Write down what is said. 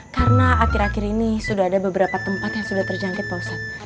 karena akhir akhir ini sudah ada beberapa tempat yang sudah terjangkit pak ustadz